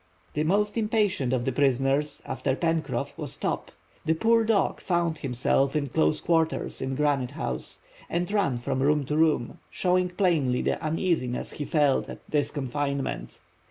The most impatient of the prisoners, after Pencroff, was Top. The poor dog found himself in close quarters in Granite House, and ran from room to room, showing plainly the uneasiness he felt at this confinement.